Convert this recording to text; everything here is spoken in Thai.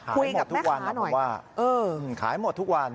ขายหมดทุกวันขายหมดทุกวัน